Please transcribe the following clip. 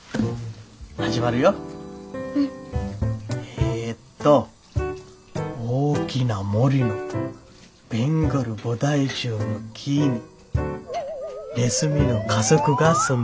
えっと「大きな森のベンガル菩提樹の木にネズミの家族が住んでいました。